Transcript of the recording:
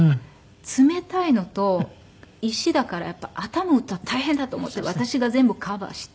冷たいのと石だからやっぱり頭打ったら大変だと思って私が全部カバーして。